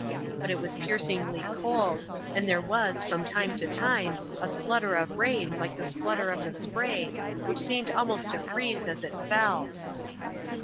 But it was piercingly cold, and there was, from time to time, a splutter of rain like the splutter of the spray, which seemed almost to freeze as it fell.